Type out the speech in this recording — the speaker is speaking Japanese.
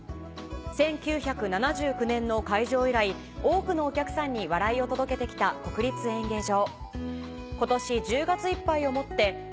１９７９年の開場以来多くのお客さんに笑いを届けてきた国立演芸場